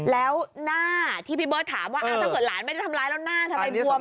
แล้วหน้าที่พี่เบิร์ตถามว่าถ้าเกิดหลานไม่ได้ทำร้ายแล้วหน้าทำไมบวม